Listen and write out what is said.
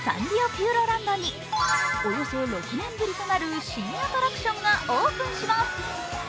ピューロランドにおよそ６年ぶりとなる新アトラクションがオープンします。